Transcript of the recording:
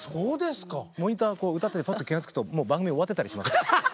モニター歌っててぱっと気が付くともう番組終わってたりします。